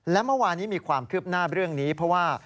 และเมื่อวานี้มีความคืบหน้าเรื่องนี้เพราะว่า